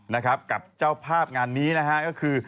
นะครับกับเจ้าภาพงานนี้นะฮะก็คือ